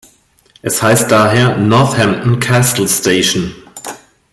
Er heißt daher „Northampton Castle Station“.